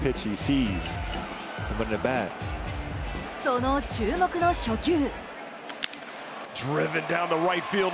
その注目の初球。